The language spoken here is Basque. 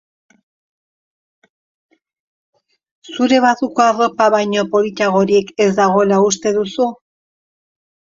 Zure barruko arropa baino politagorik ez dagoela uste duzu?